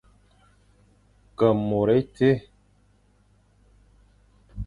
Ke môr étie.